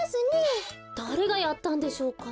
だれがやったんでしょうか？